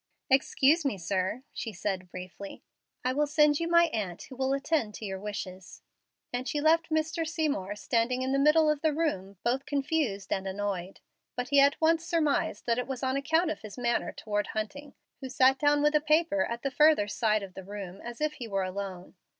"Excuse me, sir," she said, briefly. "I will send you my aunt, who will attend to your wishes;" and she left Mr. Seymour standing in the middle of the room, both confused and annoyed; but he at once surmised that it was on account of his manner toward Hunting, who sat down with a paper at the further side of the room, as if he were alone.